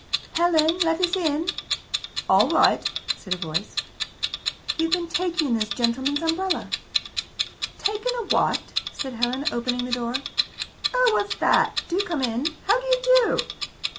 "Helen! Let us in!" "All right," said a voice. "You've been taking this gentleman's umbrella." "Taken a what?" said Helen, opening the door. "Oh, what's that? Do come in! How do you do?"